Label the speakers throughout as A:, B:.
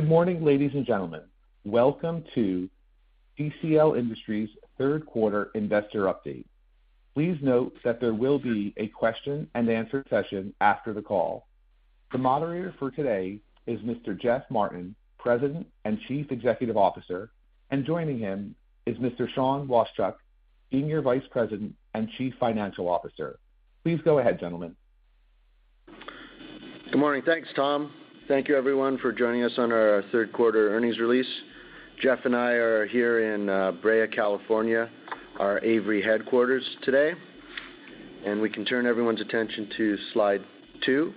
A: Good morning, ladies and gentlemen. Welcome to CCL Industries third quarter investor update. Please note that there will be a question and answer session after the call. The moderator for today is Mr. Geoff Martin, President and Chief Executive Officer, and joining him is Mr. Sean Washchuk, Senior Vice President and Chief Financial Officer. Please go ahead, gentlemen.
B: Good morning. Thanks, Tom. Thank you everyone for joining us on our third quarter earnings release. Geoff and I are here in Brea, California, our Avery headquarters today, and we can turn everyone's attention to slide two,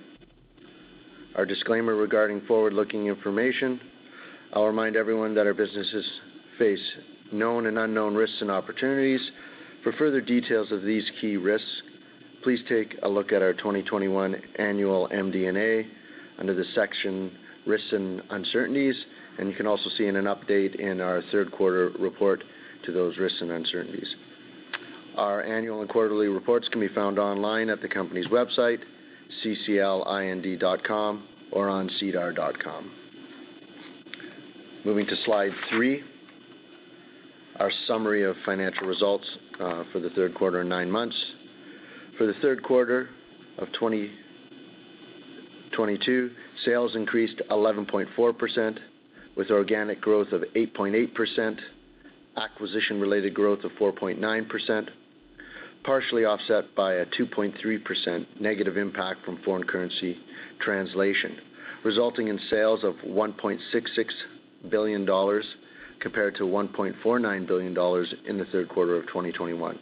B: our disclaimer regarding forward-looking information. I'll remind everyone that our businesses face known and unknown risks and opportunities. For further details of these key risks, please take a look at our 2021 annual MD&A under the section Risks and Uncertainties, and you can also see in an update in our third quarter report to those risks and uncertainties. Our annual and quarterly reports can be found online at the company's website, cclind.com or on sedar.com. Moving to slide three, our summary of financial results, for the third quarter and nine months. For the third quarter of 2022, sales increased 11.4% with organic growth of 8.8%, acquisition-related growth of 4.9%, partially offset by a 2.3% negative impact from foreign currency translation, resulting in sales of CAD 1.66 billion compared to CAD 1.49 billion in the third quarter of 2021.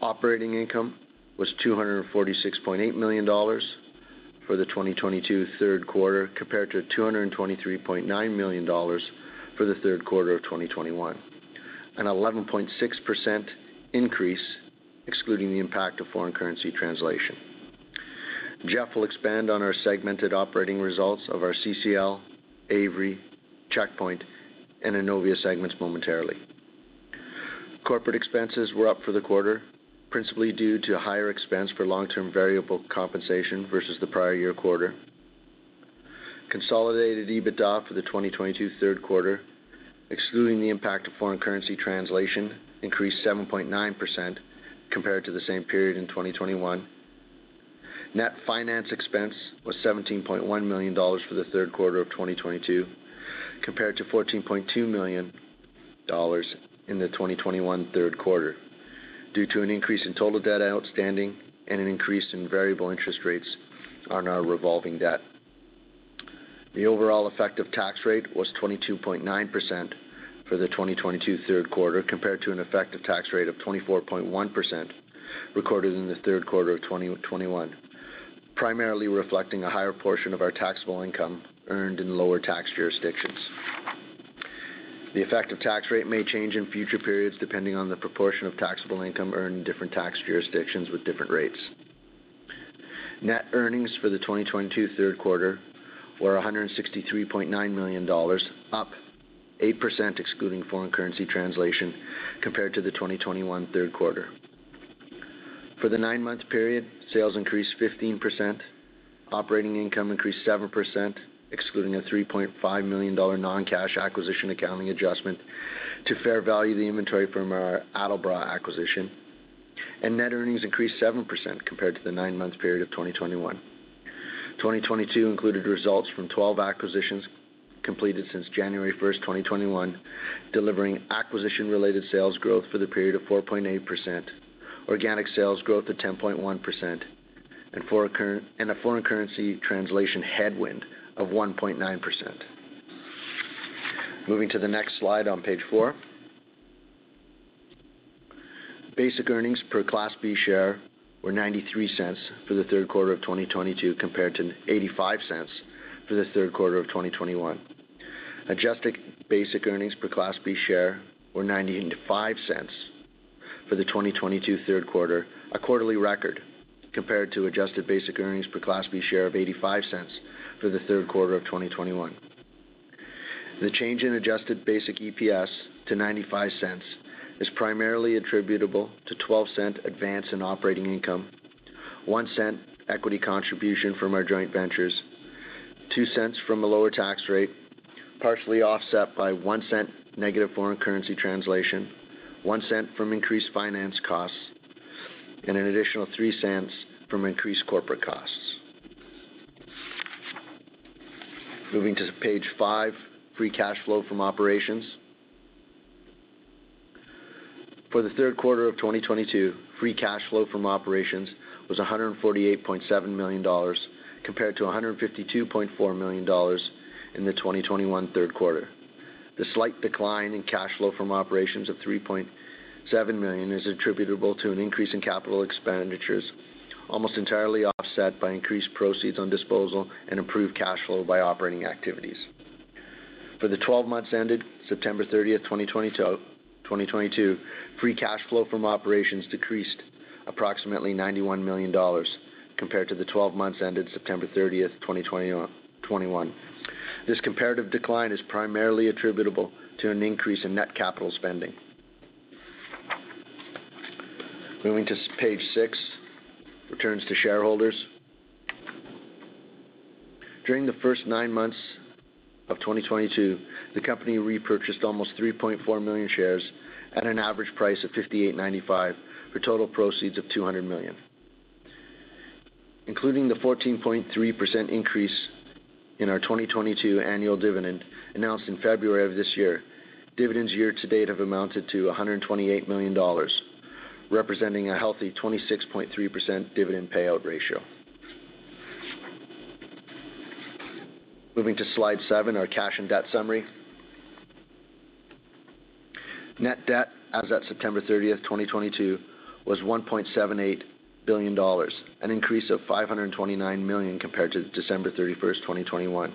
B: Operating income was CAD 246.8 million for the 2022 third quarter compared to CAD 223.9 million for the third quarter of 2021, an 11.6% increase excluding the impact of foreign currency translation. Geoff will expand on our segmented operating results of our CCL, Avery, Checkpoint and Innovia segments momentarily. Corporate expenses were up for the quarter, principally due to higher expense for long-term variable compensation versus the prior year quarter. Consolidated EBITDA for the 2022 third quarter, excluding the impact of foreign currency translation, increased 7.9% compared to the same period in 2021. Net finance expense was 17.1 million dollars for the third quarter of 2022, compared to 14.2 million dollars in the 2021 third quarter due to an increase in total debt outstanding and an increase in variable interest rates on our revolving debt. The overall effective tax rate was 22.9% for the 2022 third quarter compared to an effective tax rate of 24.1% recorded in the third quarter of 2021, primarily reflecting a higher portion of our taxable income earned in lower tax jurisdictions. The effective tax rate may change in future periods depending on the proportion of taxable income earned in different tax jurisdictions with different rates. Net earnings for the 2022 third quarter were 163.9 million dollars, up 8% excluding foreign currency translation compared to the 2021 third quarter. For the nine-month period, sales increased 15%, operating income increased 7%, excluding a 3.5 million dollar non-cash acquisition accounting adjustment to fair value the inventory from our Attleborough acquisition. Net earnings increased 7% compared to the nine-month period of 2021. 2022 included results from 12 acquisitions completed since January 1, 2021, delivering acquisition-related sales growth for the period of 4.8%, organic sales growth of 10.1%, and a foreign currency translation headwind of 1.9%. Moving to the next slide on page four. Basic earnings per Class B share were 0.93 for the third quarter of 2022 compared to 0.85 for the third quarter of 2021. Adjusted basic earnings per Class B share were 0.95 for the 2022 third quarter, a quarterly record, compared to adjusted basic earnings per Class B share of 0.85 for the third quarter of 2021. The change in adjusted basic EPS to 0.95 is primarily attributable to 0.12 advance in operating income, 0.01 equity contribution from our joint ventures, 0.02 from a lower tax rate, partially offset by 0.01 negative foreign currency translation, 0.01 from increased finance costs, and an additional 0.03 from increased corporate costs. Moving to page five, free cash flow from operations. For the third quarter of 2022, free cash flow from operations was 148.7 million dollars compared to 152.4 million dollars in the 2021 third quarter. The slight decline in cash flow from operations of 3.7 million is attributable to an increase in capital expenditures, almost entirely offset by increased proceeds on disposal and improved cash flow from operating activities. For the twelve months ended September 30th, 2022, free cash flow from operations decreased approximately 91 million dollars compared to the twelve months ended September 30th, 2021. This comparative decline is primarily attributable to an increase in net capital spending. Moving to page six, returns to shareholders. During the first nine months of 2022, the company repurchased almost 3.4 million shares at an average price of $58.95 for total proceeds of 200 million. Including the 14.3% increase in our 2022 annual dividend announced in February of this year, dividends year to date have amounted to 128 million dollars, representing a healthy 26.3% dividend payout ratio. Moving to slide seven, our cash and debt summary. Net debt as of September 30, 2022 was 1.78 billion dollars, an increase of 529 million compared to December 31, 2021.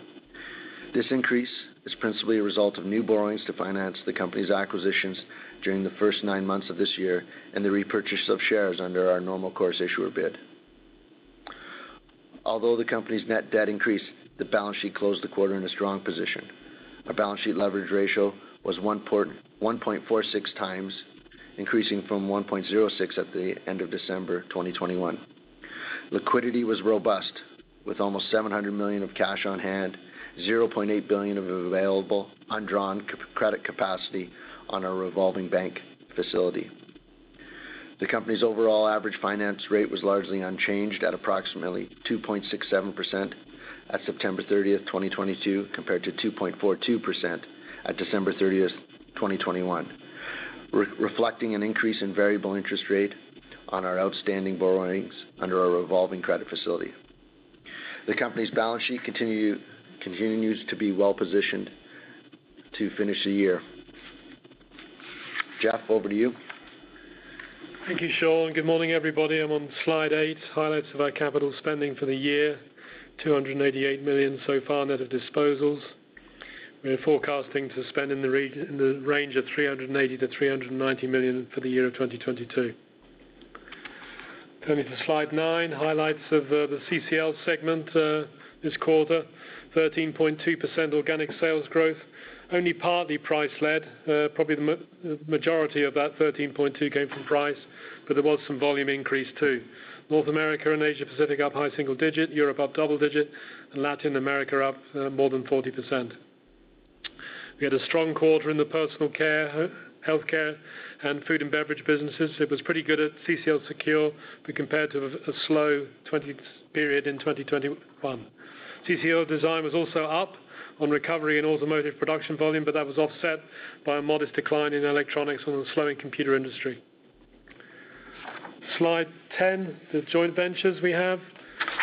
B: This increase is principally a result of new borrowings to finance the company's acquisitions during the first nine months of this year and the repurchase of shares under our normal course issuer bid. Although the company's net debt increased, the balance sheet closed the quarter in a strong position. Our balance sheet leverage ratio was 1.46 times, increasing from 1.06 at the end of December 2021. Liquidity was robust with almost 700 million of cash on hand, 0.8 billion of available undrawn credit capacity on our revolving bank facility. The company's overall average finance rate was largely unchanged at approximately 2.67% at September 30, 2022, compared to 2.42% at December 31, 2021. Reflecting an increase in variable interest rate on our outstanding borrowings under our revolving credit facility. The company's balance sheet continues to be well positioned to finish the year. Geoff, over to you.
C: Thank you, Sean. Good morning, everybody. I'm on slide eight, highlights of our capital spending for the year, 288 million so far net of disposals. We are forecasting to spend in the range of 380 million-390 million for the year of 2022. Turning to slide nine, highlights of the CCL segment this quarter. 13.2% organic sales growth, only partly price-led. Probably the majority of that 13.2% came from price, but there was some volume increase too. North America and Asia Pacific up high single digit, Europe up double digit, and Latin America up more than 40%. We had a strong quarter in the personal care, healthcare and food and beverage businesses. It was pretty good at CCL Secure, but compared to a slow period in 2021. CCL Design was also up on recovery in automotive production volume, but that was offset by a modest decline in electronics on the slowing computer industry. Slide 10, the joint ventures we have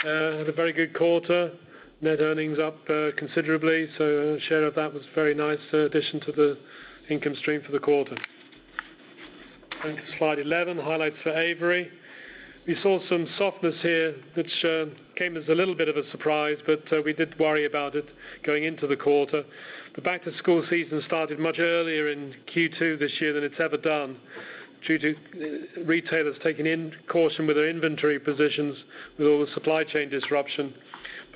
C: had a very good quarter. Net earnings up considerably, so a share of that was a very nice addition to the income stream for the quarter. Turning to slide 11, highlights for Avery. We saw some softness here, which came as a little bit of a surprise, but we did worry about it going into the quarter. The back to school season started much earlier in Q2 this year than it's ever done due to retailers taking caution with their inventory positions with all the supply chain disruption.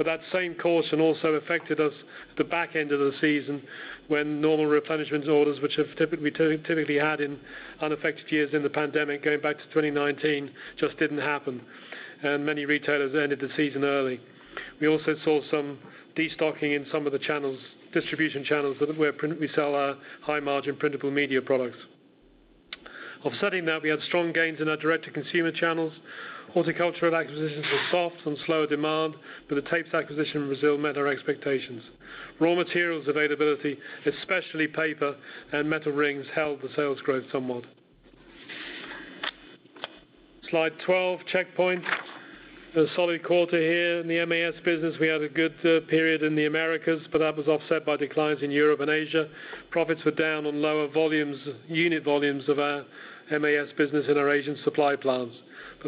C: That same caution also affected us at the back end of the season when normal replenishment orders, which have typically had in unaffected years in the pandemic going back to 2019, just didn't happen. Many retailers ended the season early. We also saw some destocking in some of the channels, distribution channels where we sell our high margin printable media products. Offsetting that, we had strong gains in our direct-to-consumer channels. Horticultural acquisitions were soft on slower demand, but the Tapes acquisition in Brazil met our expectations. Raw materials availability, especially paper and metal rings, held the sales growth somewhat. Slide 12, Checkpoint. A solid quarter here. In the MAS business, we had a good period in the Americas but that was offset by declines in Europe and Asia. Profits were down on lower volumes, unit volumes of our MAS business in our Asian supply plants.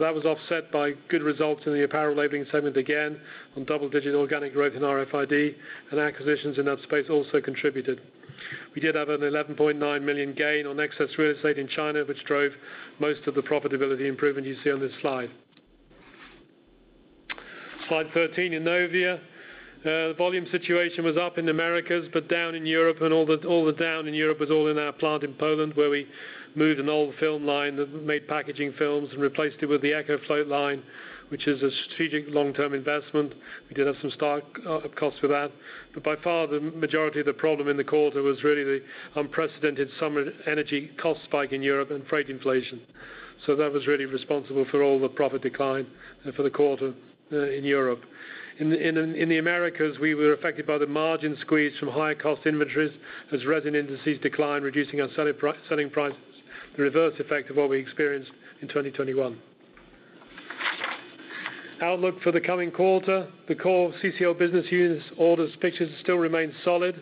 C: That was offset by good results in the apparel labeling segment again on double-digit organic growth in RFID, and acquisitions in that space also contributed. We did have a 11.9 million gain on excess real estate in China, which drove most of the profitability improvement you see on this slide. Slide 13, Innovia. The volume situation was up in Americas, but down in Europe, and all the down in Europe was all in our plant in Poland, where we moved an old film line that made packaging films and replaced it with the EcoFloat line, which is a strategic long-term investment. We did have some start-up costs with that. By far, the majority of the problem in the quarter was really the unprecedented summer energy cost spike in Europe and freight inflation. That was really responsible for all the profit decline for the quarter in Europe. In the Americas, we were affected by the margin squeeze from higher cost inventories as resin indices declined, reducing our selling prices, the reverse effect of what we experienced in 2021. Outlook for the coming quarter. The core CCL business units order picture still remains solid.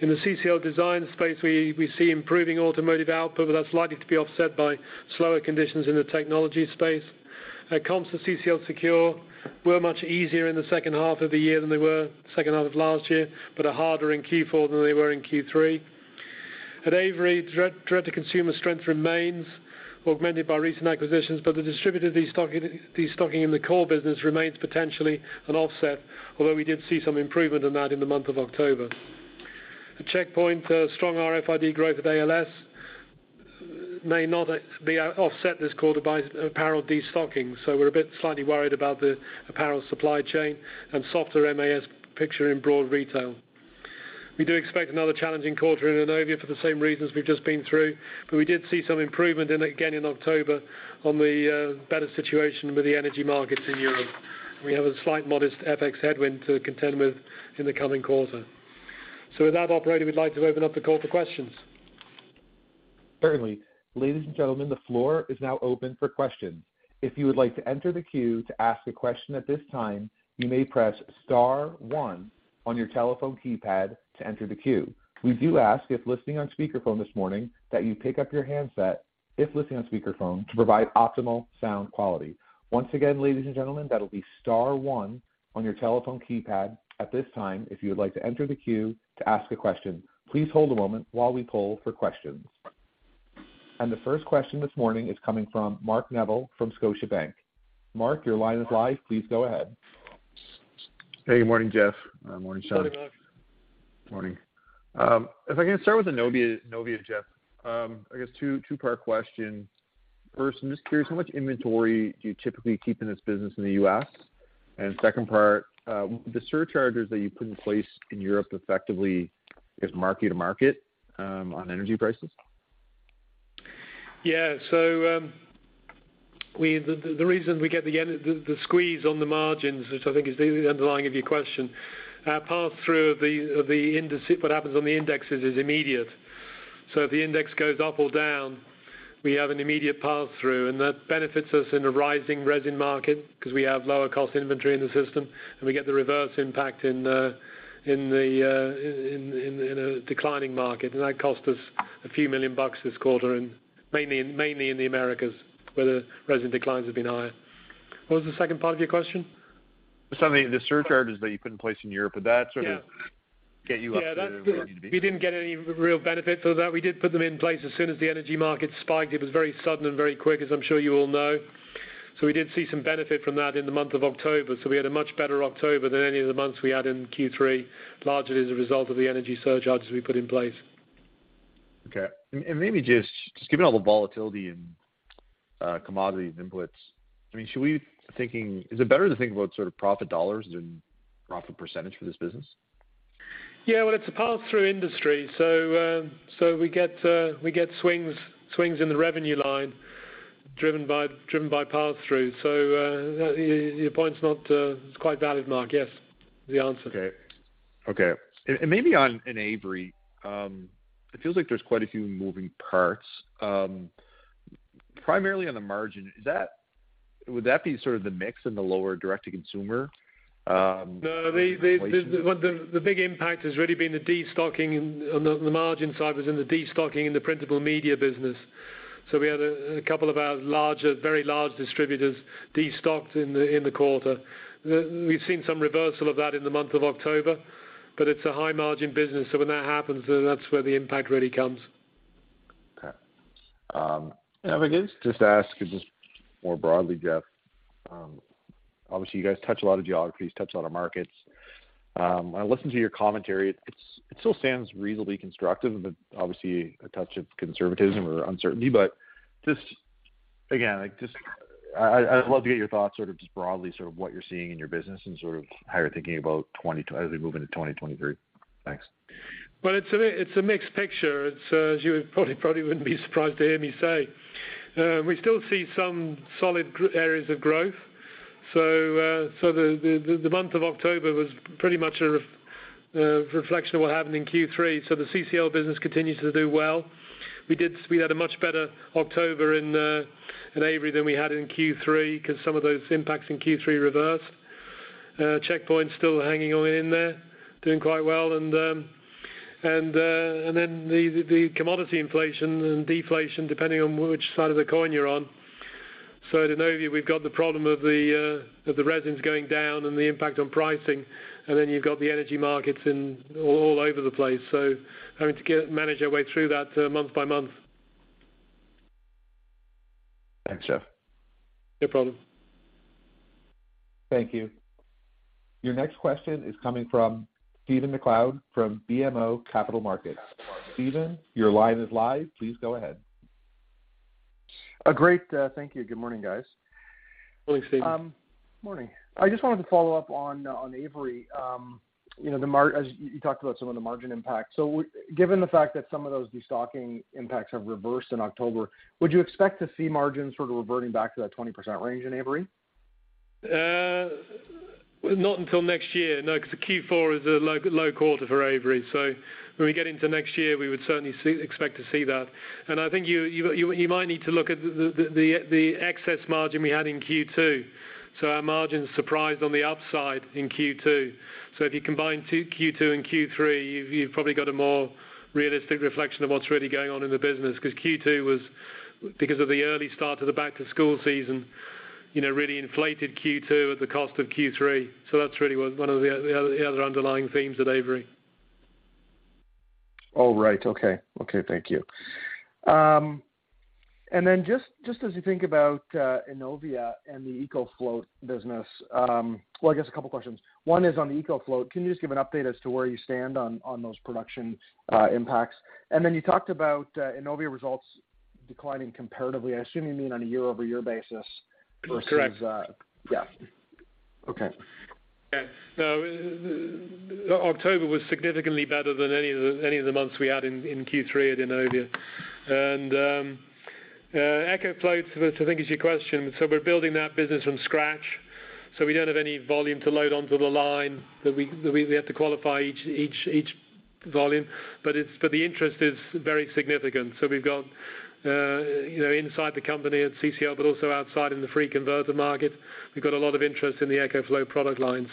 C: In the CCL Design space, we see improving automotive output, but that's likely to be offset by slower conditions in the technology space. The comps to CCL Secure were much easier in the second half of the year than they were second half of last year, but are harder in Q4 than they were in Q3. At Avery, direct-to-consumer strength remains, augmented by recent acquisitions, but the distributed destocking in the core business remains potentially an offset, although we did see some improvement on that in the month of October. The Checkpoint strong RFID growth at ALS may not be offset this quarter by apparel destocking. We're a bit slightly worried about the apparel supply chain and softer MAS picture in broad retail. We do expect another challenging quarter in Innovia for the same reasons we've just been through, but we did see some improvement in it again in October on the better situation with the energy markets in Europe. We have a slight modest FX headwind to contend with in the coming quarter. With that operator, we'd like to open up the call for questions.
A: Certainly. Ladies and gentlemen, the floor is now open for questions. If you would like to enter the queue to ask a question at this time, you may press star one on your telephone keypad to enter the queue. We do ask if listening on speakerphone this morning that you pick up your handset, if listening on speakerphone, to provide optimal sound quality. Once again, ladies and gentlemen, that'll be star one on your telephone keypad at this time, if you would like to enter the queue to ask a question. Please hold a moment while we poll for questions. The first question this morning is coming from Mark Neville from Scotiabank. Mark, your line is live. Please go ahead.
D: Hey, good morning, Geoff. Morning, Sean.
C: Morning, Mark.
D: Morning. If I can start with Innovia, Geoff, I guess two-part question. First, I'm just curious how much inventory do you typically keep in this business in the U.S.? Second part, the surcharges that you put in place in Europe effectively is mark-to-market on energy prices?
C: Yeah. The reason we get the squeeze on the margins, which I think is the underlying of your question, pass through of the index, what happens on the indexes is immediate. If the index goes up or down, we have an immediate pass through, and that benefits us in a rising resin market because we have lower cost inventory in the system, and we get the reverse impact in a declining market. That cost us $a few million this quarter and mainly in the Americas, where the resin declines have been higher. What was the second part of your question?
D: I mean the surcharges that you put in place in Europe, would that sort of -
C: Yeah.
D: Get you up to where you need to be?
C: Yeah, we didn't get any real benefit for that. We did put them in place as soon as the energy market spiked. It was very sudden and very quick, as I'm sure you all know. We did see some benefit from that in the month of October. We had a much better October than any of the months we had in Q3, largely as a result of the energy surcharges we put in place.
D: Maybe just given all the volatility in commodity and inputs, I mean, is it better to think about sort of profit dollars than profit percentage for this business?
C: Yeah, well it's a pass-through industry, so we get swings in the revenue line driven by pass-through. Your point is not, it's quite valid, Mark. Yes, is the answer.
D: Okay. Maybe on in Avery, it feels like there's quite a few moving parts, primarily on the margin. Would that be sort of the mix in the lower direct-to-consumer, inflation?
C: No. The big impact has really been the destocking in the printable media business. On the margin side was the destocking in the printable media business. We had a couple of our larger very large distributors destocked in the quarter. We've seen some reversal of that in the month of October, but it's a high margin business, so when that happens, then that's where the impact really comes.
D: Okay.
C: Yeah.
D: If I could just ask just more broadly, Geoff, obviously you guys touch a lot of geographies, touch a lot of markets. I listened to your commentary. It still sounds reasonably constructive but obviously a touch of conservatism or uncertainty. Just again, like, I'd love to get your thoughts sort of just broadly, sort of what you're seeing in your business and sort of how you're thinking about as we move into 2023. Thanks.
C: Well, it's a mixed picture. It's as you probably wouldn't be surprised to hear me say. We still see some solid areas of growth. The month of October was pretty much a reflection of what happened in Q3. The CCL business continues to do well. We had a much better October in Avery than we had in Q3 because some of those impacts in Q3 reversed. Checkpoint's still hanging on in there, doing quite well. The commodity inflation and deflation, depending on which side of the coin you're on. At Innovia, we've got the problem of the resins going down and the impact on pricing, and then you've got the energy markets all over the place. Having to manage our way through that, month by month.
D: Thanks, Geoff.
C: No problem.
A: Thank you. Your next question is coming from Stephen MacLeod from BMO Capital Markets. Stephen, your line is live. Please go ahead.
E: Great. Thank you. Good morning, guys.
C: Morning, Stephen.
E: Morning. I just wanted to follow up on Avery. You know, as you talked about some of the margin impact. Given the fact that some of those destocking impacts have reversed in October, would you expect to see margins sort of reverting back to that 20% range in Avery?
C: Not until next year. No because the Q4 is a low quarter for Avery. When we get into next year, we would certainly expect to see that. I think you might need to look at the excess margin we had in Q2. Our margins surprised on the upside in Q2. If you combine Q2 and Q3, you've probably got a more realistic reflection of what's really going on in the business because of the early start to the back-to-school season, you know, really inflated Q2 at the cost of Q3. That's really one of the other underlying themes at Avery.
E: All right. Okay, thank you. Then just as you think about Innovia and the EcoFloat business, well, I guess a couple questions. One is on the EcoFloat. Can you just give an update as to where you stand on those production impacts? Then you talked about Innovia results declining comparatively. I assume you mean on a year-over-year basis versus-
C: Correct.
E: Yeah. Okay.
C: Yeah. October was significantly better than any of the months we had in Q3 at Innovia. EcoFloat, so I think is your question. We're building that business from scratch so we don't have any volume to load onto the line that we have to qualify each volume. The interest is very significant. We've got you know, inside the company at CCL, but also outside in the free converter market. We've got a lot of interest in the EcoFloat product line.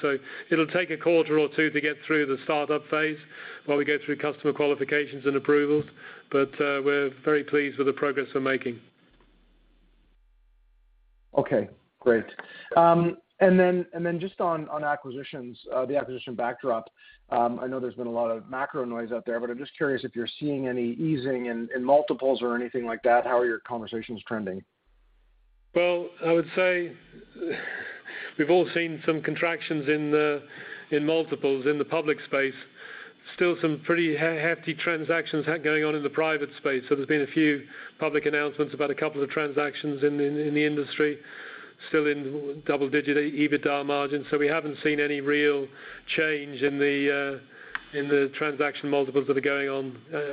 C: It'll take a quarter or two to get through the startup phase while we go through customer qualifications and approvals. We're very pleased with the progress we're making.
E: Okay, great. Just on acquisitions, the acquisition backdrop, I know there's been a lot of macro noise out there, but I'm just curious if you're seeing any easing in multiples or anything like that. How are your conversations trending?
C: Well, I would say we've all seen some contractions in multiples in the public space. Still some pretty hefty transactions going on in the private space. There's been a few public announcements about a couple of transactions in the industry, still in double-digit EBITDA margins. We haven't seen any real change in the transaction multiples that are going on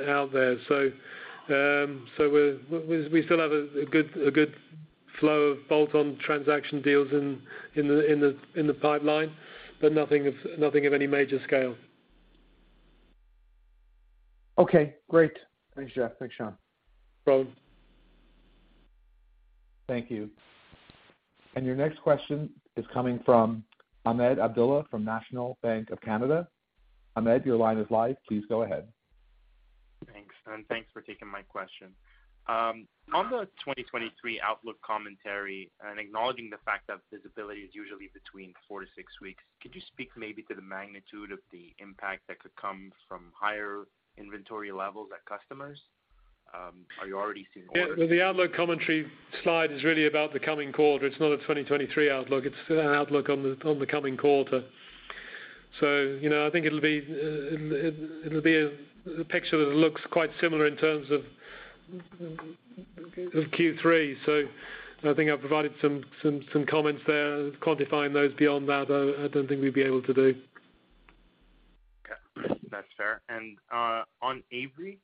C: out there. We're still have a good flow of bolt-on transaction deals in the pipeline, but nothing of any major scale.
E: Okay, great. Thanks, Geoff. Thanks, Sean.
A: Thank you. Your next question is coming from Ahmed Abdullah from National Bank of Canada. Ahmed, your line is live. Please go ahead.
F: Thanks and thanks for taking my question. On the 2023 outlook commentary and acknowledging the fact that visibility is usually between 4-6 weeks, could you speak maybe to the magnitude of the impact that could come from higher inventory levels at customers? Are you already seeing orders-
C: Yeah. Well, the outlook commentary slide is really about the coming quarter. It's not a 2023 outlook. It's an outlook on the coming quarter. You know, I think it'll be a picture that looks quite similar in terms of Q3. I think I've provided some comments there quantifying those. Beyond that, I don't think we'd be able to do.
F: Okay. That's fair. On Avery,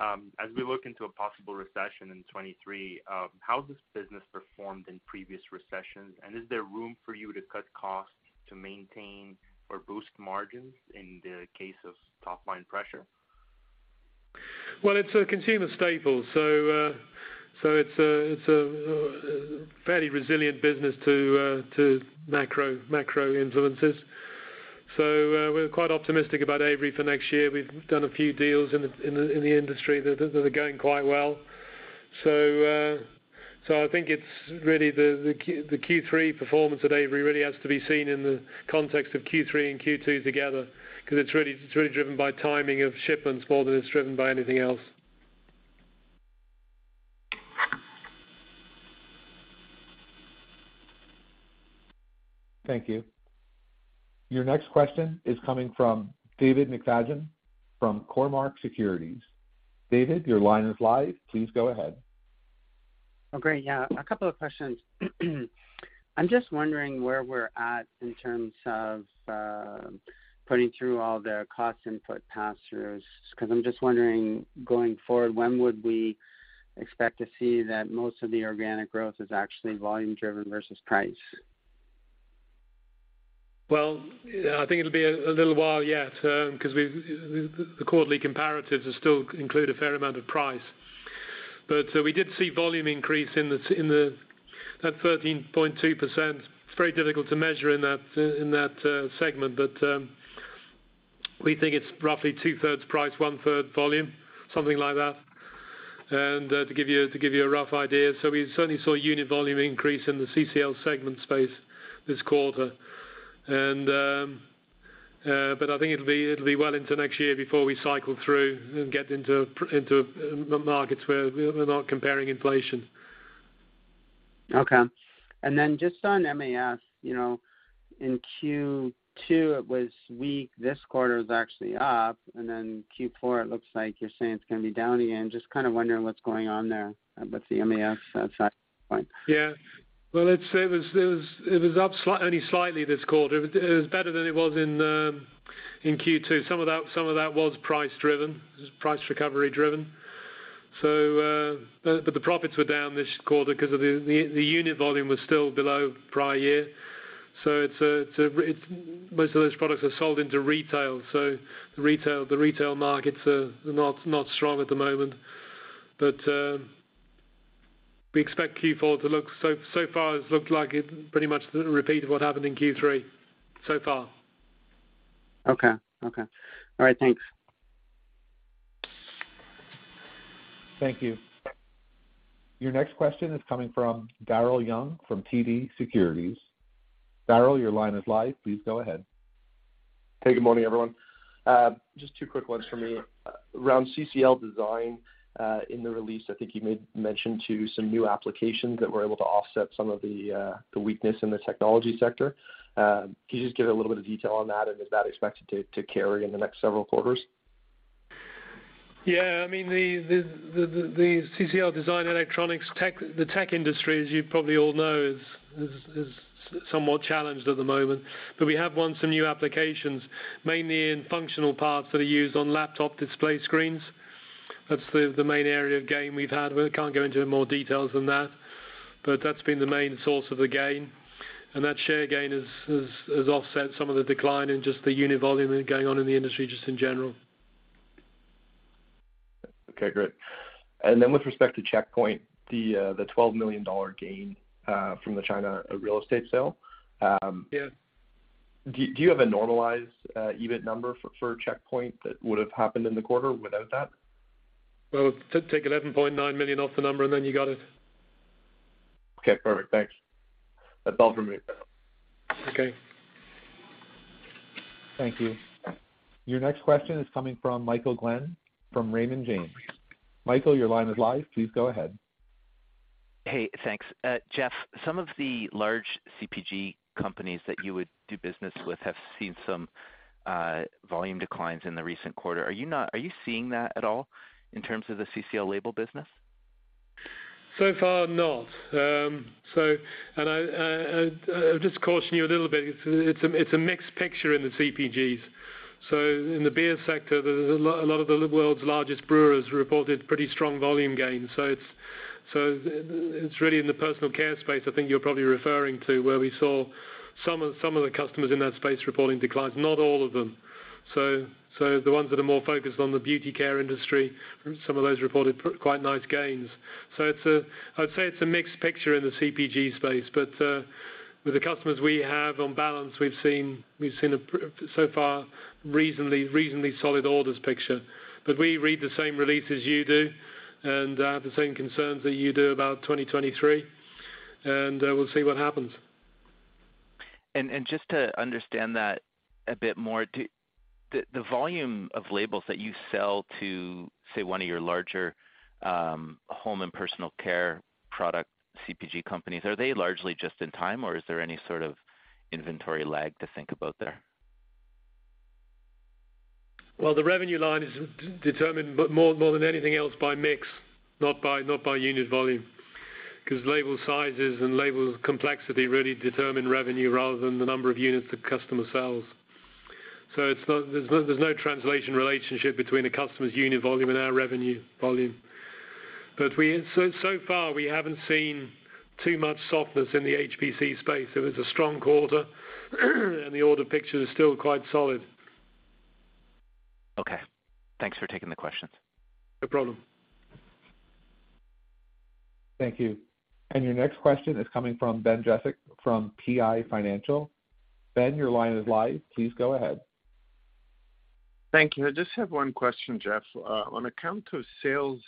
F: as we look into a possible recession in 2023, how this business performed in previous recessions, and is there room for you to cut costs to maintain or boost margins in the case of top line pressure?
C: It's a consumer staple, so it's a fairly resilient business to macro influences. We're quite optimistic about Avery for next year. We've done a few deals in the industry that are going quite well. I think it's really the Q3 performance at Avery really has to be seen in the context of Q3 and Q2 together because it's really driven by timing of shipments more than it's driven by anything else.
A: Thank you. Your next question is coming from David McFadgen from Cormark Securities. David, your line is live. Please go ahead.
G: Oh, great. Yeah, a couple of questions. I'm just wondering where we're at in terms of, putting through all the cost input pass-throughs, 'cause I'm just wondering, going forward, when would we expect to see that most of the organic growth is actually volume driven versus price?
C: Well, I think it'll be a little while yet 'cause the quarterly comparatives still include a fair amount of price. We did see volume increase in the at 13.2%. It's very difficult to measure in that segment. We think it's roughly two-thirds price, one-third volume, something like that. To give you a rough idea. We certainly saw unit volume increase in the CCL segment space this quarter. I think it'll be well into next year before we cycle through and get into markets where we're not comparing inflation.
G: Okay. Just on MAS, you know, in Q2, it was weak. This quarter it's actually up. Q4, it looks like you're saying it's gonna be down again. Just kind of wondering what's going on there with the MAS side.
C: Yeah. Well, let's say it was up only slightly this quarter. It was better than it was in Q2. Some of that was price driven, price recovery driven. The profits were down this quarter 'cause the unit volume was still below prior year. Most of those products are sold into retail. The retail markets are not strong at the moment. We expect Q4 to look so far, it's looked like it pretty much repeat of what happened in Q3 so far.
G: Okay. All right. Thanks.
A: Thank you. Your next question is coming from Daryl Young from TD Securities. Daryl, your line is live. Please go ahead.
H: Hey, good morning, everyone. Just two quick ones for me. Around CCL Design, in the release, I think you made mention to some new applications that were able to offset some of the weakness in the technology sector. Can you just give a little bit of detail on that, and is that expected to carry in the next several quarters?
C: Yeah, I mean the CCL Design and electronics tech, the tech industry, as you probably all know, is somewhat challenged at the moment. We have won some new applications, mainly in functional parts that are used on laptop display screens. That's the main area of gain we've had. We can't go into more details than that. That's been the main source of the gain. That share gain has offset some of the decline in just the unit volume going on in the industry just in general.
H: Okay, great. With respect to Checkpoint, the 12 million dollar gain from the China real estate sale.
C: Yes.
H: Do you have a normalized EBIT number for Checkpoint that would have happened in the quarter without that?
C: Well, take 11.9 million off the number, and then you got it.
H: Okay, perfect. Thanks. That's all for me.
C: Okay.
A: Thank you. Your next question is coming from Michael Glen from Raymond James. Michael, your line is live. Please go ahead.
I: Hey, thanks. Geoff, some of the large CPG companies that you would do business with have seen some volume declines in the recent quarter. Are you seeing that at all in terms of the CCL label business?
C: So far not. I just caution you a little bit, it's a mixed picture in the CPGs. In the beer sector, there's a lot of the world's largest brewers reported pretty strong volume gains. It's really in the personal care space, I think you're probably referring to, where we saw some of the customers in that space reporting declines, not all of them. The ones that are more focused on the beauty care industry, some of those reported quite nice gains. It's a mixed picture in the CPG space. I would say it's a mixed picture in the CPG space. With the customers we have on balance, we've seen so far reasonably solid orders picture. We read the same release as you do and the same concerns that you do about 2023 and we'll see what happens.
I: The volume of labels that you sell to, say, one of your larger, home and personal care product CPG companies, are they largely just in time, or is there any sort of inventory lag to think about there?
C: Well, the revenue line is determined more than anything else by mix, not by unit volume. Because label sizes and label complexity really determine revenue rather than the number of units the customer sells. It's not. There's no translation relationship between a customer's unit volume and our revenue volume. So far we haven't seen too much softness in the HPC space. It was a strong quarter, and the order picture is still quite solid.
I: Okay. Thanks for taking the questions.
C: No problem.
A: Thank you. Your next question is coming from Ben Jekic from PI Financial. Ben, your line is live. Please go ahead.
J: Thank you. I just have one question, Geoff. On the amount of sales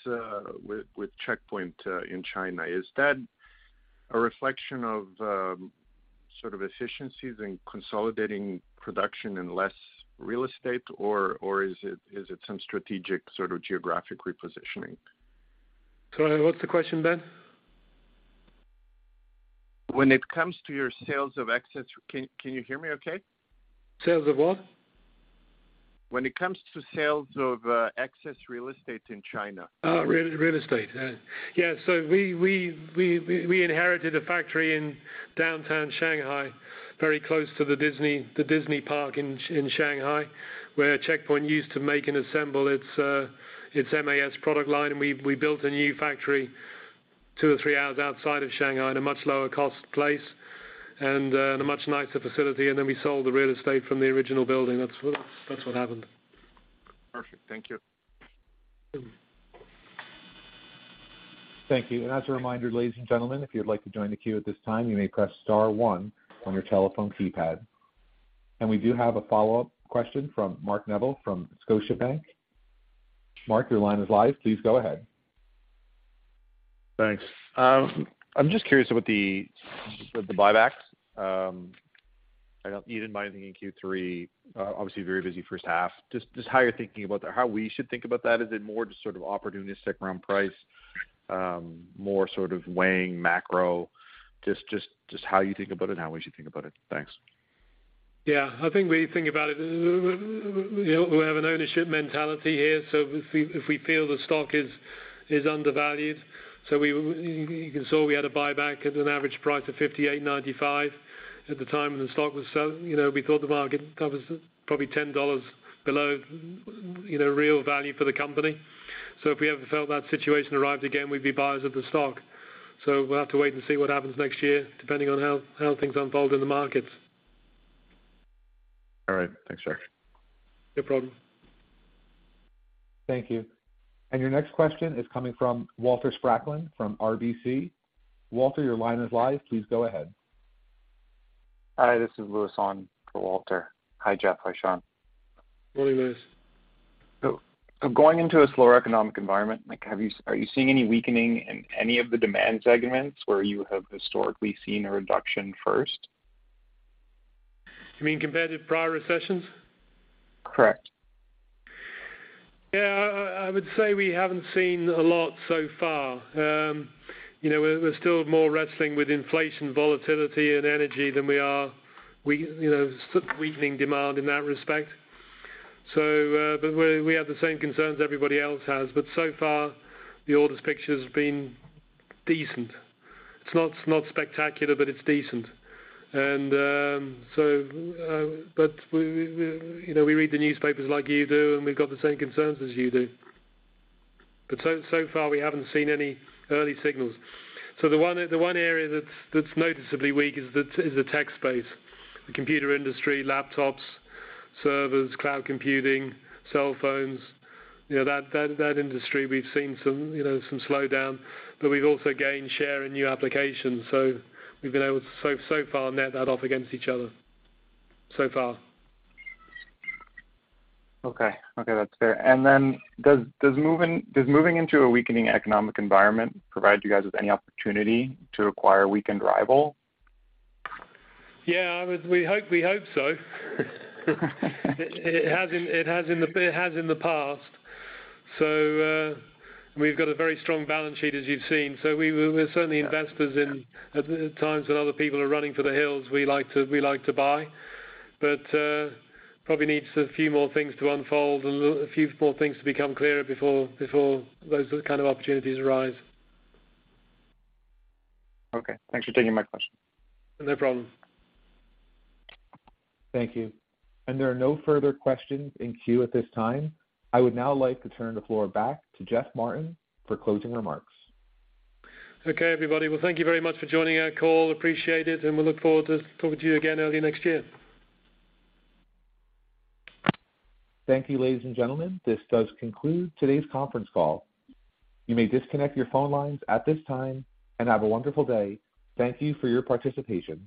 J: with Checkpoint in China, is that a reflection of sort of efficiencies in consolidating production in less real estate, or is it some strategic sort of geographic repositioning?
C: Sorry, what's the question, Ben?
J: When it comes to your sales of excess. Can you hear me okay?
C: Sales of what?
J: When it comes to sales of excess real estate in China.
C: Real estate, yeah. We inherited a factory in downtown Shanghai, very close to the Disney park in Shanghai, where Checkpoint used to make and assemble its MAS product line. We built a new factory two or three hours outside of Shanghai in a much lower cost place and in a much nicer facility. We sold the real estate from the original building. That's what happened.
J: Perfect. Thank you.
A: Thank you. As a reminder, ladies and gentlemen, if you'd like to join the queue at this time, you may press star one on your telephone keypad. We do have a follow-up question from Mark Neville from Scotiabank. Mark, your line is live. Please go ahead.
D: Thanks. I'm just curious about the buybacks. You didn't buy anything in Q3. Obviously a very busy first half. Just how you're thinking about that, how we should think about that. Is it more just sort of opportunistic around price? More sort of weighing macro? Just how you think about it and how we should think about it. Thanks.
C: Yeah. I think we think about it, you know, we have an ownership mentality here. If we feel the stock is undervalued. We saw we had a buyback at an average price of 58.95 at the time when the stock was selling. You know, we thought the market values probably 10 dollars below, you know, real value for the company. If we ever felt that situation arrived again, we'd be buyers of the stock. We'll have to wait and see what happens next year, depending on how things unfold in the markets.
D: All right. Thanks, Geoff.
C: No problem.
A: Thank you. Your next question is coming from Walter Spracklin from RBC. Walter, your line is live. Please go ahead.
K: Hi, this is Louis on for Walter. Hi, Geoff. Hi, Sean.
C: Morning, Louis.
K: Going into a slower economic environment, are you seeing any weakening in any of the demand segments where you have historically seen a reduction first?
C: You mean compared to prior recessions?
K: Correct.
C: Yeah, I would say we haven't seen a lot so far. You know, we're still more wrestling with inflation, volatility and energy than weakening demand in that respect. We have the same concerns everybody else has, but so far, the orders picture's been decent. It's not spectacular, but it's decent. We read the newspapers like you do, and we've got the same concerns as you do. So far, we haven't seen any early signals. The one area that's noticeably weak is the tech space. The computer industry, laptops, servers, cloud computing, cell phones, you know, that industry we've seen some, you know, some slowdown, but we've also gained share in new applications. We've been able to, so far, net that off against each other, so far.
K: Okay, that's fair. Does moving into a weakening economic environment provide you guys with any opportunity to acquire a weakened rival?
C: We hope so. It has in the past. We've got a very strong balance sheet as you've seen. We're certainly investors in-
K: Yeah.
C: At times when other people are running for the hills, we like to buy. Probably needs a few more things to unfold and a few more things to become clearer before those kind of opportunities arise.
K: Okay. Thanks for taking my question.
C: No problem.
A: Thank you. There are no further questions in queue at this time. I would now like to turn the floor back to Geoff Martin for closing remarks.
C: Okay, everybody. Well, thank you very much for joining our call. Appreciate it and we'll look forward to talking to you again early next year.
A: Thank you, ladies and gentlemen. This does conclude today's conference call. You may disconnect your phone lines at this time and have a wonderful day. Thank you for your participation.